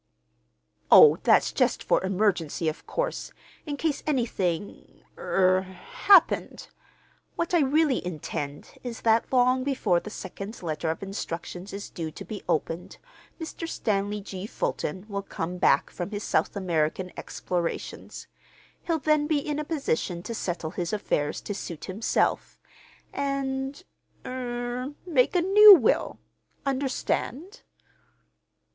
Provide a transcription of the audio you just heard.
"Oh, that's just for emergency, of course, in case anything—er—happened. What I really intend is that long before the second letter of instructions is due to be opened, Mr. Stanley G. Fulton will come back from his South American explorations. He'll then be in a position to settle his affairs to suit himself, and—er—make a new will. Understand?"